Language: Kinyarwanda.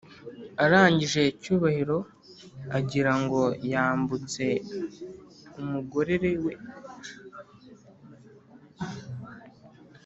arangije cyubahiro agirango Yambutse umugorere we